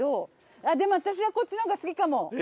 ああでも私はこっちの方が好きかも！